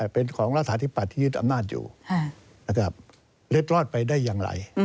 เป็นของราษาธิปนัยยึดอำนาจอยู่และก็เล็ดลอดไปได้อย่างไร